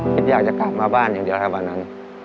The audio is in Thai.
คิดอยากจะกลับมาบ้านอย่างเดียวครับวันนั้น